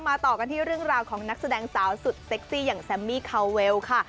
ต่อกันที่เรื่องราวของนักแสดงสาวสุดเซ็กซี่อย่างแซมมี่คาวเวลค่ะ